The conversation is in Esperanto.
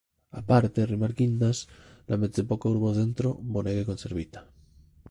Aparte rimarkindas la mezepoka urbocentro bonege konservita.